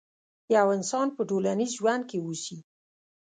يو انسان په ټولنيز ژوند کې اوسي.